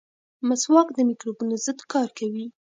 مسواک د مکروبونو ضد کار کوي.